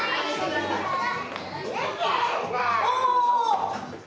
お！